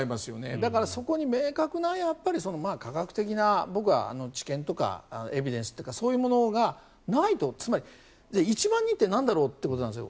だから、そこに明確な科学的な知見とかエビデンスというかそういうものがないとつまり、１万人ってなんだろうってことなんですよ。